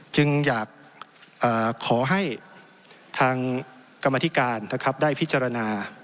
จึงอยากขอให้ทางกรรมธิการได้พิจารณา